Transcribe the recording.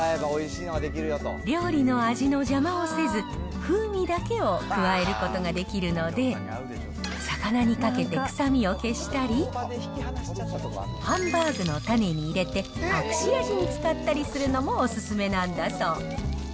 料理の味の邪魔をせず、風味だけを加えることができるので、魚にかけて臭みを消したり、ハンバーグの種に入れて、隠し味に使ったりするのもお勧めなんだそう。